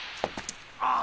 ああ。